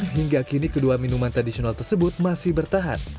hingga kini kedua minuman tradisional tersebut masih bertahan